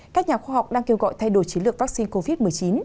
các nhà khoa học đang kêu gọi thay đổi chiến lược vaccine covid một mươi chín